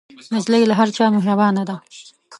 نجلۍ له هر چا مهربانه ده.